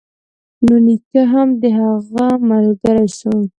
نو نيکه هم د هغه ملگرى سو.